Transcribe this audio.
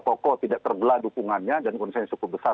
pokok tidak terbelah dukungannya dan konsennya cukup besar